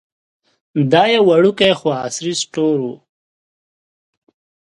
دا یو وړوکی خو عصري سټور و.